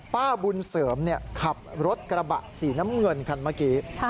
ป้าบุญเสริมขับรถกระบะสีน้ำเงินคันเมื่อกี้